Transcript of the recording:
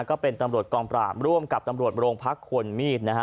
ก็เป็นตำรวจกองปราบร่วมกับตำรวจโรงพักควรมีดนะฮะ